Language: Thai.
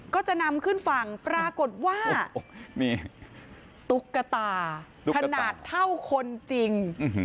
ก็จะนำขึ้นฝั่งปรากฏว่าตุ๊กตาขนาดเท่าคนจริง